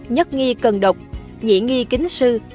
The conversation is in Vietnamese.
nhất nghi cần đục nhị nghi kính sư